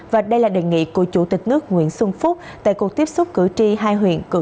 và đây là đề nghị của chủ tịch nước nguyễn xuân phúc tại cuộc tiếp xúc cử tri hai huyện